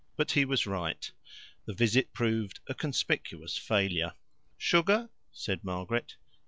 But he was right; the visit proved a conspicuous failure. "Sugar?" said Margaret.